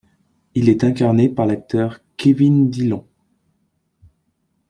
Il est incarné par l'acteur Kevin Dillon.